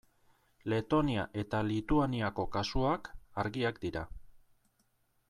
Letonia eta Lituaniako kasuak argiak dira.